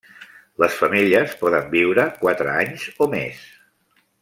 Les femelles poden viure quatre anys o més.